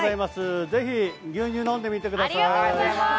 ぜひ牛乳、飲んでみてください。